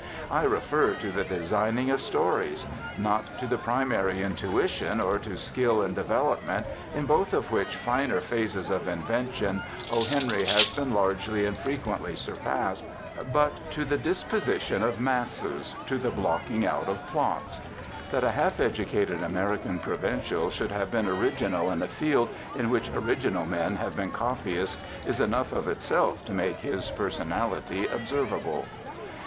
I refer to the designing of stories not to the primary intuition or to skill in development, in both of which finer phases of invention O. Henry has been largely and frequently surpassed, but to the disposition of masses, to the blocking out of plots. That a half educated American provincial should have been original in a field in which original men have been copyists is enough of itself to make his personality observable.